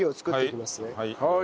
はい。